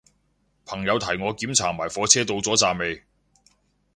朋友提我檢查埋火車到咗站未